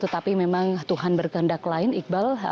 tetapi memang tuhan berkendak lain iqbal